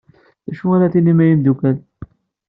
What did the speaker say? D acu ara tinim a imeddukal?